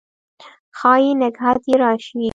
ښايي نګهت یې راشي